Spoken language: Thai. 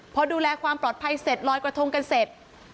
พอดูแลความปลอดภัยเสร็จลอยกระทงกันเสร็จ